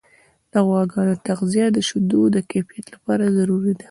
د غواګانو تغذیه د شیدو د کیفیت لپاره ضروري ده.